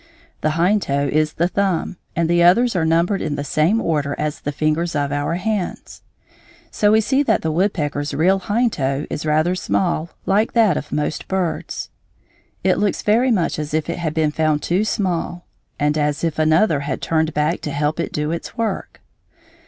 The hind toe is the thumb, and the others are numbered in the same order as the fingers of our hands. So we see that the woodpecker's real hind toe is rather small, like that of most birds. It looks very much as if it had been found too small and as if another had turned back to help it do its work.